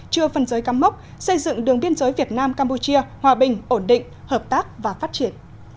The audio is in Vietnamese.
chưa phân giới cắm mốc xây dựng đường biên giới việt nam campuchia hòa bình ổn định hợp tác và phát triển